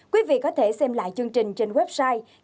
quý vị có thể xem lại chương trình trên website